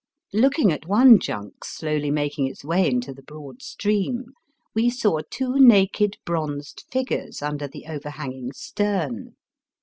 Looking at one junk slowly making its way into the broad stream, we saw two naked bronzed figures under the overhanging stern.